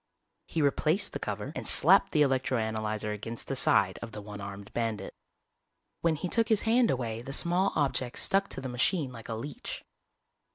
He replaced the cover and slapped the electro analyzer against the side of the one armed bandit. When he took his hand away the small object stuck to the machine like a leech.